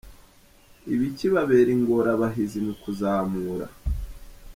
Ibikibabera ingorabahizi mu kuzamura.